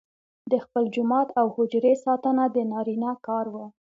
د خپل جومات او حجرې ساتنه د نارینه کار وو.